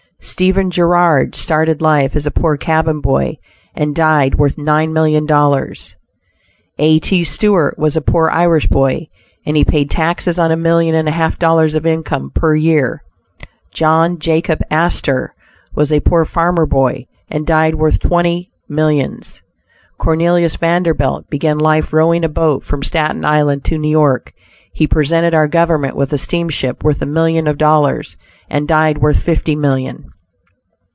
Stephen Girard started life as a poor cabin boy, and died worth nine million dollars. A.T. Stewart was a poor Irish boy; and he paid taxes on a million and a half dollars of income, per year. John Jacob Astor was a poor farmer boy, and died worth twenty millions. Cornelius Vanderbilt began life rowing a boat from Staten Island to New York; he presented our government with a steamship worth a million of dollars, and died worth fifty million.